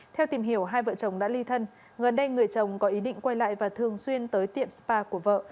theo tìm hiểu hai vợ chồng đã ly thân gần đây người chồng có ý định quay lại và thường xuyên tới tiệm spa của vợ